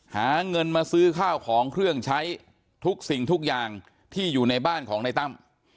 หาเงินมาซื้อข้าวของเครื่องใช้ทุกสิ่งทุกอย่างที่อยู่ในบ้านของในตั้ม